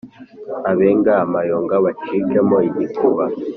abenga amayoga bacikemo igikuba.